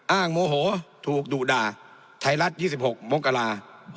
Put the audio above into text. โมโหถูกดุด่าไทยรัฐ๒๖มกรา